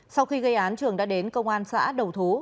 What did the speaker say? sau khi gây án trường đã đến cơ quan xã đầu thú